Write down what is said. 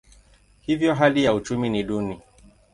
Hivyo hali ya uchumi ni duni.